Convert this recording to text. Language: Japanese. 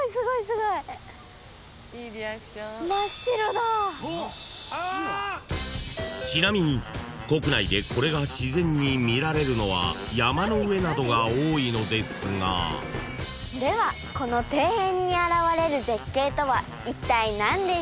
［ではいったい］［ちなみに国内でこれが自然に見られるのは山の上などが多いのですが］ではこの庭園に現れる絶景とはいったい何でしょうか？